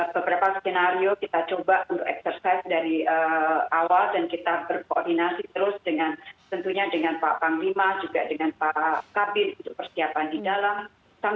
beberapa skenario kita coba untuk eksersis dari awal dan kita berkoordinasi terus dengan tentunya dengan pak panglima juga dengan pak kabin untuk persiapan di dalam